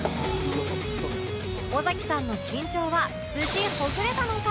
尾崎さんの緊張は無事ほぐれたのか？